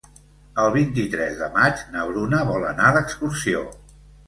El vint-i-tres de maig na Bruna vol anar d'excursió.